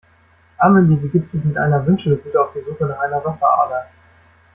Amelie begibt sich mit einer Wünschelrute auf die Suche nach einer Wasserader.